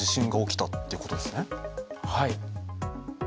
はい。